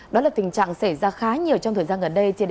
đó là tình trạng xảy ra khá nhiều trong thời gian gần đây